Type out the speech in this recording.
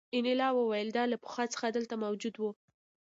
انیلا وویل دا له پخوا څخه دلته موجود وو